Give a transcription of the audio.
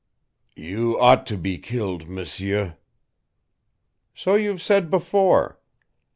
"You ought to be killed, M'seur." "So you've said before.